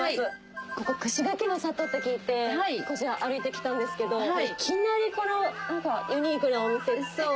ここ串柿の里って聞いて歩いて来たんですけどいきなりこのユニークなお店。